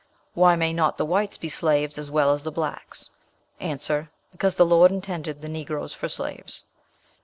Why may not the whites be slaves as well as the blacks? A. 'Because the Lord intended the Negroes for slaves.'